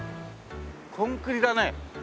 コンクリだね。